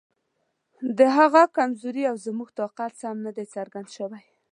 د هغه کمزوري او زموږ طاقت سم نه دی څرګند شوی.